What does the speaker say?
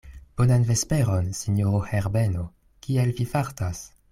Bonan vesperon, sinjoro Herbeno; kiel vi fartas?